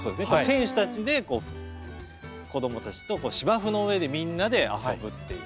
選手たちで子供たちと芝生の上でみんなで遊ぶっていう。